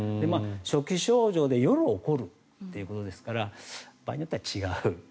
初期症状で夜、起こるということですから場合によっては違う。